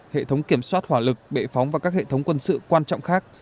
hệ thống kiểm soát hỏa lực bệ phóng và các hệ thống quân sự quan trọng khác